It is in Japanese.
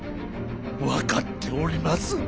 分かっております。